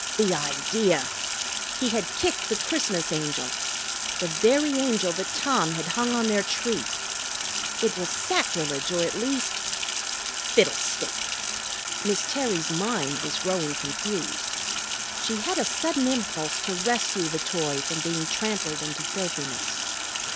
The idea! He had kicked the Christmas Angel, the very Angel that Tom had hung on their tree! It was sacrilege, or at least Fiddlestick! Miss Terry's mind was growing confused. She had a sudden impulse to rescue the toy from being trampled into filthiness.